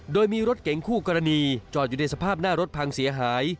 โดยมีรถเก๋งคู่กรณีจอดอยู่ในสภาพหน้ารถพังเสียหาย